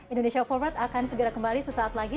indonesia forward akan segera kembali sesaat lagi